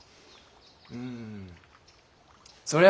うんそりゃ